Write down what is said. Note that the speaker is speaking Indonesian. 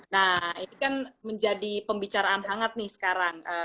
nah ini kan menjadi pembicaraan hangat nih sekarang